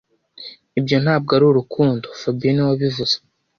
Ibyo ntabwo ari urukundo fabien niwe wabivuze